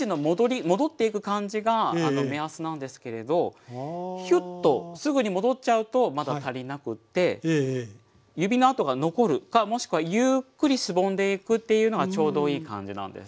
戻っていく感じが目安なんですけれどヒュッとすぐに戻っちゃうとまだ足りなくって指の跡が残るかもしくはゆっくりしぼんでいくっていうのがちょうどいい感じなんです。